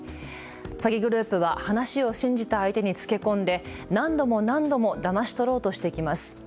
詐欺グループは話を信じた相手につけ込んで何度も何度もだまし取ろうとしてきます。